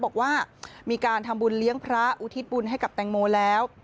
บอกว่ามีการทำบุญเลี้ยงพระอุทิศบุญให้กับแตงโมแล้ว